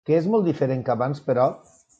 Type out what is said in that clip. Què és molt diferent que abans, però?